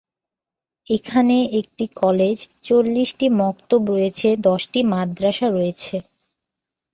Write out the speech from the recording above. এখানে একটি কলেজ, চল্লিশটি মক্তব রয়েছে, দশটি মাদ্রাসা রয়েছে।